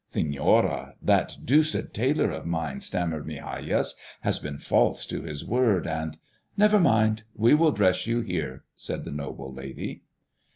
"Señora, that deuced tailor of mine," stammered Migajas, "has been false to his word, and " "Never mind; we will dress you here," said the noble lady.